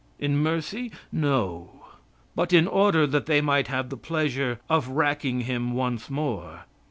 In mercy? No. But in order that they might have the pleasure of racking him once more.